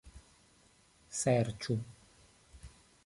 serĉu